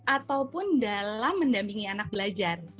ataupun dalam mendampingi anak belajar